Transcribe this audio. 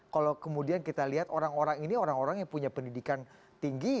kalau kemudian kita lihat orang orang ini orang orang yang punya pendidikan tinggi